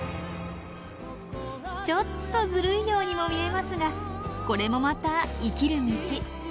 ちょっとずるいようにも見えますがこれもまた生きる道。